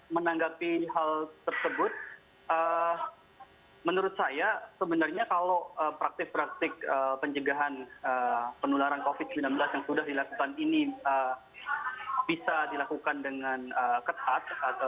menanggapi hal tersebut menurut saya sebenarnya kalau praktik praktik pencegahan penularan covid sembilan belas yang sudah dilakukan ini bisa dilakukan dengan ketat